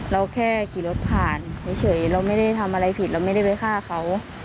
เราแค่ขี่รถผ่านเฉยเราไม่ได้ทำอะไรผิดเราไม่ได้ไปฆ่าเขา